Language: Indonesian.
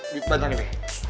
di depan sana be